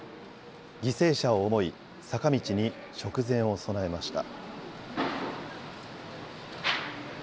犠牲者を思い、坂道に食膳を供えました。